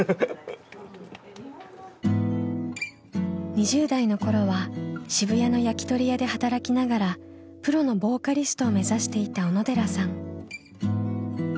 ２０代の頃は渋谷の焼き鳥屋で働きながらプロのボーカリストを目指していた小野寺さん。